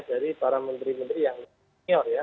dari para menteri menteri yang senior ya